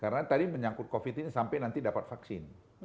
karena tadi menyangkut covid ini sampai nanti dapat vaksin